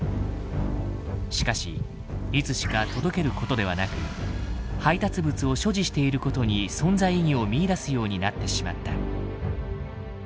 しかしいつしか届けることではなく配達物を所持していることに存在意義を見いだすようになってしまった。